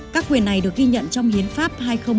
các quyền này được ghi nhận trong hiến pháp hai nghìn một mươi ba